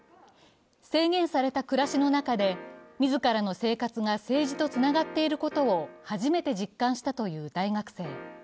制限された暮らしの中で、自らの生活が政治とつながっていることを初めて実感したという大学生。